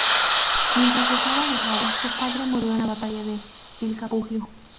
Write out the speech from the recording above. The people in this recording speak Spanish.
Mientras estaba alejado, su padre murió en la batalla de Vilcapugio.